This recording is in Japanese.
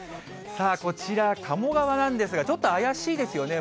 さあ、こちら、鴨川なんですが、ちょっと怪しいですよね。